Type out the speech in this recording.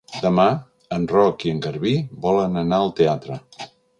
Demà en Roc i en Garbí volen anar al teatre.